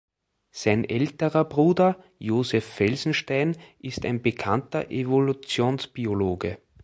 Sein älterer Bruder, Joseph Felsenstein, ist ein bekannter Evolutionsbiologe.